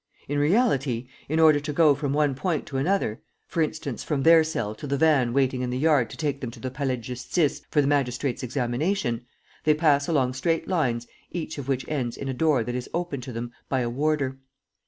In reality, in order to go from one point to another for instance, from their cell to the van waiting in the yard to take them to the Palais de Justice for the magistrate's examination they pass along straight lines each of which ends in a door that is opened to them by a warder.